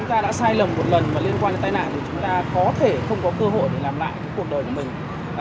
khi lầm một lần mà liên quan đến tai nạn thì chúng ta có thể không có cơ hội để làm lại cuộc đời của mình